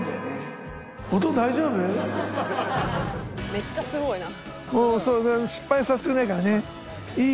「めっちゃすごいな」